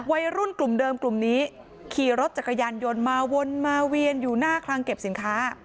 วัยรุ่นกลุ่มเดิมกลุ่มนี้ขี่รถจักรยานยนต์มาวนมาเวียนอยู่หน้าคลังเก็บสินค้า